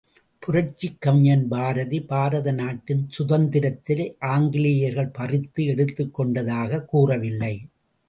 புரட்சிக் கவிஞன் பாரதி, பாரத நாட்டின் சுதந்திரத்தை ஆங்கிலேயர்கள் பறித்து எடுத்துக் கொண்டதாகக் கூறவில்லை.